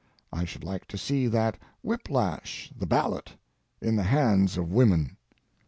I should like to see that whip lash, the ballot, in the hands of women.